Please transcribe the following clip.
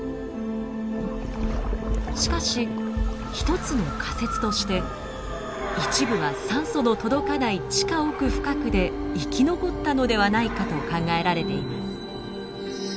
しかし一つの仮説として一部は酸素の届かない地下奥深くで生き残ったのではないかと考えられています。